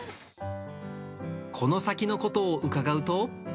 この先のことを伺うと。